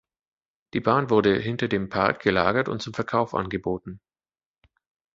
Die Bahn wurde hinter dem Park gelagert und zum Verkauf angeboten.